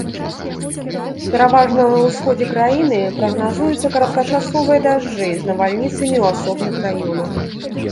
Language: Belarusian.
Пераважна на ўсходзе краіны прагназуюцца кароткачасовыя дажджы з навальніцамі ў асобных раёнах.